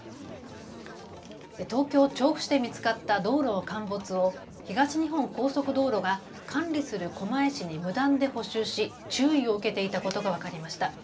東京調布市で見つかった道路の陥没を東日本高速道路が管理する狛江市に無断で補修し注意を受けていたことが分かりました。